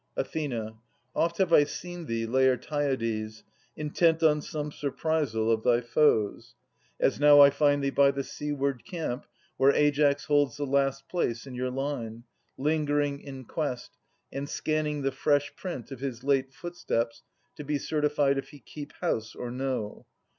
Athena. Oft have I seen thee, Lagrtiades, Intent on some surprisal of thy foes ; As now I find thee by the seaward camp, Where Aias holds the last place in your line, Lingering in quest, and scanning the fresh print Of his late footsteps, to be certified If he keep house or no.